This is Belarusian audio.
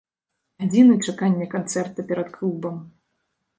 Гадзіны чакання канцэрта перад клубам.